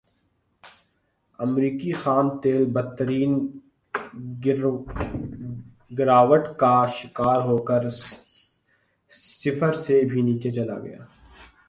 امریکی خام تیل بدترین گراوٹ کا شکار ہوکر صفر سے بھی نیچے چلا گیا